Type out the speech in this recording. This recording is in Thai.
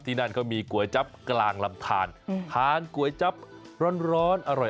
นั่นเขามีก๋วยจั๊บกลางลำทานทานก๋วยจั๊บร้อนอร่อย